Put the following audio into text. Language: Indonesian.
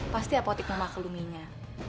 pasti apotik memakluminya